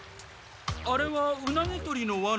あれはウナギとりのワナだよな？